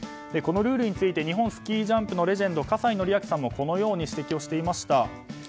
このルールについて日本スキージャンプのレジェンド葛西紀明さんもこのように指摘をしていました。